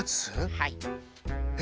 はい！